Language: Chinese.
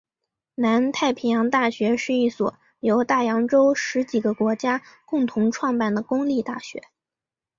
南太平洋大学是一所由大洋洲十几个国家共同创办的公立大学。